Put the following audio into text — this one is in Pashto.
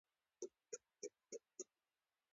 د خپلو زامنو کيسې يې کولې.